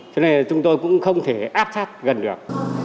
thì chúng tôi cũng không thể áp sát gần được